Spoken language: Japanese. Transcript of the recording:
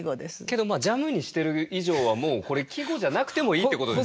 けどジャムにしてる以上はもうこれ季語じゃなくてもいいってことですよね。